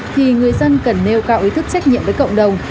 thì người dân cần nêu cao ý thức trách nhiệm với cộng đồng